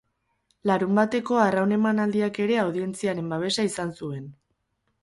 Larunbateko arraun emanaldiak ere audientziaren babesa izan zuen.